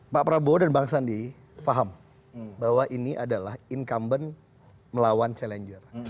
pak prabowo dan bang sandi faham bahwa ini adalah incumbent melawan challenger